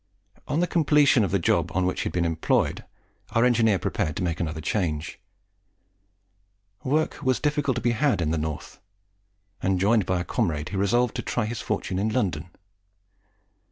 On the completion of the job on which he had been employed, our engineer prepared to make another change. Work was difficult to be had in the North, and, joined by a comrade, he resolved to try his fortune in London.